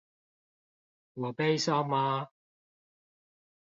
我悲傷嗎？